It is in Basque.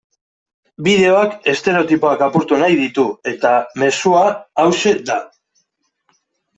Bideoak estereotipoak apurtu nahi ditu eta mezua hauxe da.